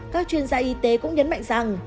các chuyên gia y tế cũng nhấn mạnh rằng